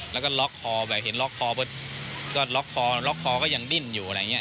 แล้วก็ล็อกคอแบบเห็นล็อกคอก็ล็อกคอล็อกคอก็ยังดิ้นอยู่อะไรอย่างนี้